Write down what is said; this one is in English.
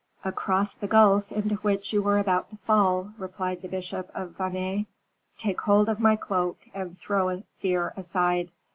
"Across the gulf into which you were about to fall," replied the bishop of Vannes. "Take hold of my cloak, and throw fear aside."